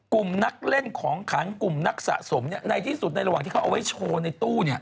กลุ่มนักเล่นของขังกลุ่มนักสะสมในที่สุดในระหว่างที่เขาเอาไว้โชว์ในตู้